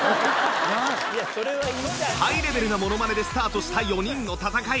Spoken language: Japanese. ハイレベルなものまねでスタートした４人の戦い